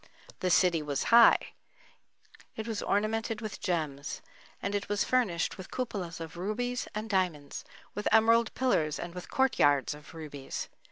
The city was high,—it was ornamented with gems; and it was furnished with cupolas of rubies and diamonds,—with emerald pillars, and with court yards of rubies.